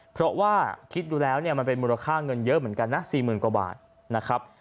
เพราะว่าคิดดูแล้วเนี่ยมันเป็นมูลค่าเงินเยอะเหมือนกันนะ๔๐๐๐กว่าบาทนะครับ